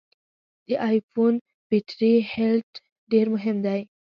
د ای فون بټري هلټ ډېر مهم دی.